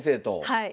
はい。